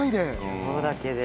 今日だけで。